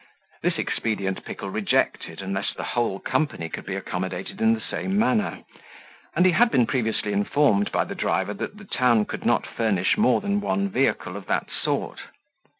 This expedient Pickle rejected, unless the whole company could be accommodated in the same manner; and he had been previously informed by the driver that the town could not furnish more than one vehicle of that sort.